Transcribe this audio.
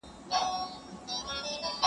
چي ميدان ويني مستيږي -